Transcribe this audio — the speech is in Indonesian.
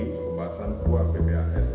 d pembasan keluar bps